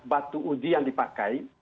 batu uji yang dipakai